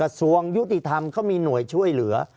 ภารกิจสรรค์ภารกิจสรรค์